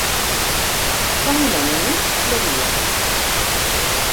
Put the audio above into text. Fa un any i mig plovia.